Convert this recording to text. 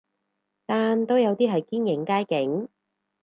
但都有啲係堅影街景